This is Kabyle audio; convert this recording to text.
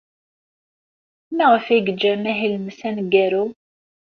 Maɣef ay yeǧǧa amahil-nnes aneggaru?